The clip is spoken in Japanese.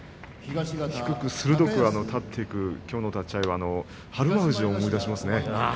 低く鋭くあたっていくきょうの立ち合いは日馬富士を思い出しますね。